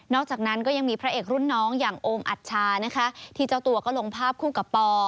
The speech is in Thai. อกจากนั้นก็ยังมีพระเอกรุ่นน้องอย่างโอมอัชชานะคะที่เจ้าตัวก็ลงภาพคู่กับปอ